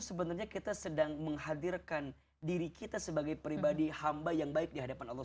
sebenarnya kita sedang menghadirkan diri kita sebagai pribadi hamba yang baik di hadapan allah